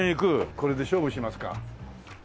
これで勝負しますか。